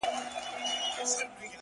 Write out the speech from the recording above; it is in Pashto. زه درسره ومه’ خو ته راسره نه پاته سوې’